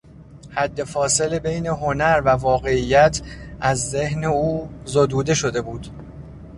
حدفاصل بین هنر و واقعیت از ذهن او زدوده شده بود.